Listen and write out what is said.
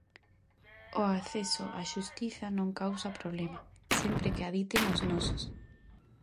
O acceso á xustiza non causa problema, sempre que a diten os nosos.